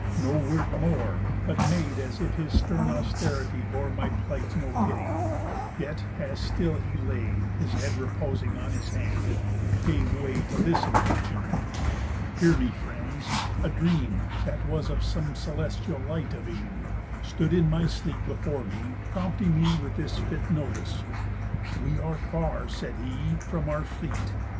No word more, But made as if his stern austerity bore My plight no pity; yet, as still he lay His head reposing on his hand, gave way To this invention: 'Hear me friends, a dream (That was of some celestial light a beam) Stood in my sleep before me, prompting me With this fit notice: 'We are far,' said he, 'From out our fleet.